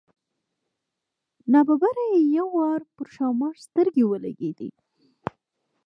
نا ببره یې یو وار پر ښامار سترګې ولګېدې.